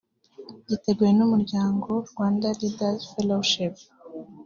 giteguwe n’umuryango Rwanda Leaders Fellowship